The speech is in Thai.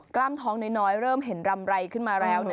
กล้ามท้องน้อยเริ่มเห็นรำไรขึ้นมาแล้ว